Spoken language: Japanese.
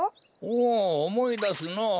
おおおもいだすのう。